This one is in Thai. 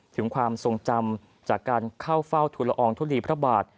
ถึงความทรงจำจากการเข้าเฝ้าทุลอองทุลีพระบาท